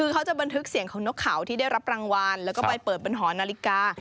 คือเขาจะบันทึกเสียงของนกเขาที่ได้รับรางวัลแล้วก็ไปเปิดบนหอนาฬิกา